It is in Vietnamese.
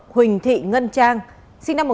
công an tỉnh bà rìa vũng tàu